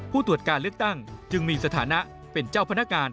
ผู้ตรวจการเลือกตั้งจึงมีสถานะเป็นเจ้าพนักงาน